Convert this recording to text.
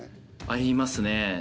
ありますね。